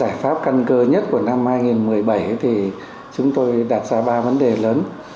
giải pháp căn cơ nhất của năm hai nghìn một mươi bảy thì chúng tôi đặt ra ba vấn đề lớn